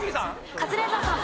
カズレーザーさん。